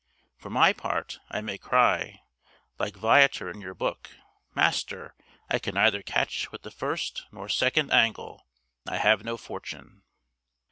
For my part I may cry, like Viator in your book, 'Master, I can neither catch with the first nor second Angle: I have no fortune.'